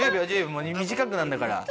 もう短くなんだから。